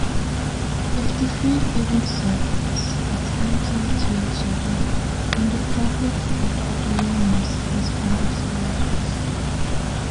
If the three given circles are tangent to each other, then the problem of Apollonius has five solutions.